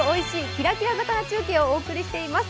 キラキラ魚中継」をお送りしています。